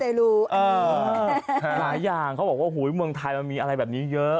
มีหลายอย่างครับเค้าบอกว่าฮานาจีนเมืองไทยมามีอะไรแบบนี้เยอะ